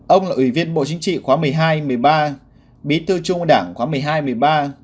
ông là ủy viên bộ chính trị khóa một mươi hai một mươi ba bí thư trung đảng khóa một mươi hai một mươi ba